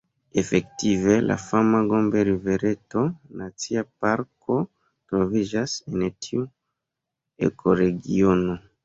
Efektive, la fama Gombe-rivereto Nacia Parko troviĝas en tiu ekoregiono.